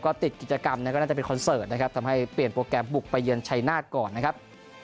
ก็ติดกิจกรรมก็น่าจะเป็นคอนเสิร์ตนะครับทำให้เปลี่ยนโปรแกรมบุกไปเยือนชัยนาธก่อนนะครับ